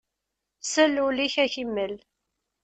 Sal ul-ik, ad ak-imel.